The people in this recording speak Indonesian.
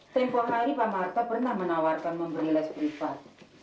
tempoh hari pak marta pernah menawarkan memberi les prifat